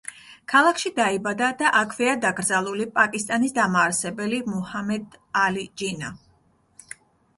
ქალაქში დაიბადა და აქვეა დაკრძალული პაკისტანის დამაარსებელი მუჰამედ ალი ჯინა.